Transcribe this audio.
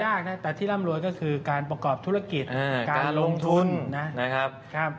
นะแต่ที่ร่ำรวยก็คือการประกอบธุรกิจการลงทุนนะครับ